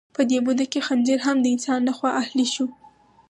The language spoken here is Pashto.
په دې موده کې خنزیر هم د انسان لخوا اهلي شو.